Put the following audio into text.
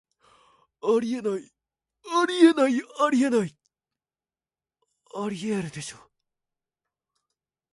あり得ない、アリエールでしょ